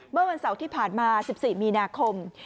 เมื่อวันเสาร์ที่ผ่านมา๑๔มีนาคม